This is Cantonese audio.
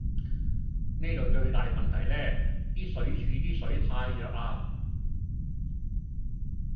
呢度最大問題呢，啲水柱啲水太弱呀